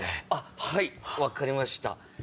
はい分かりました。